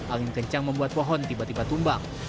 angin kencang membuat pohon tiba tiba tumbang